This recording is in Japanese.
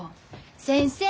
先生